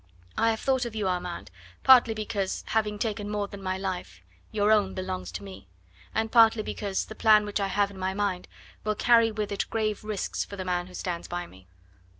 I have thought of you, Armand partly because having taken more than my life, your own belongs to me, and partly because the plan which I have in my mind will carry with it grave risks for the man who stands by me.